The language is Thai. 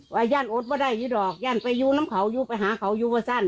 ว่าย่านอดว่าได้อยู่ดอกย่านไปอยู่น้ำเขาอยู่แผ่หาเขาอยู่แล้วสั้น